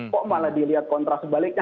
kok malah dilihat kontras sebaliknya